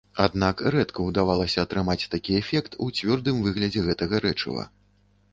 Аднак рэдка ўдавалася атрымаць такі эфект у цвёрдым выглядзе гэтага рэчыва.